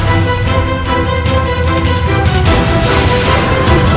oh hidup raden sesa